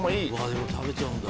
でも食べちゃうんだ。